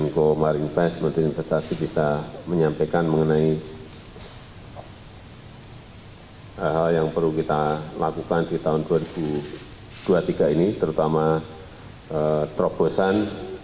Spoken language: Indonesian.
saya rasa itu sebagai pengaturan